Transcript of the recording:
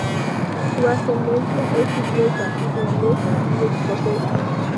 Su ascendencia es inglesa, irlandesa y escocesa.